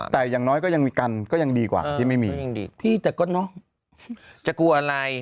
แต่อย่างน้อยก็ยังมีกันก็ยังดีกว่าที่ไม่มียังดีพี่แต่ก็เนอะจะกลัวอะไร